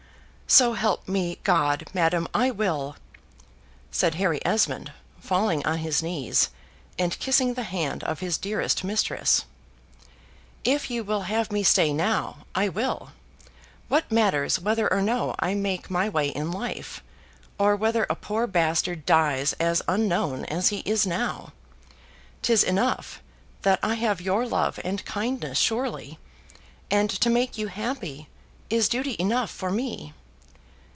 "So help me God, madam, I will," said Harry Esmond, falling on his knees, and kissing the hand of his dearest mistress. "If you will have me stay now, I will. What matters whether or no I make my way in life, or whether a poor bastard dies as unknown as he is now? 'Tis enough that I have your love and kindness surely; and to make you happy is duty enough for me."